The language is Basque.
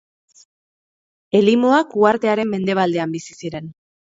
Elimoak uhartearen mendebaldean bizi ziren.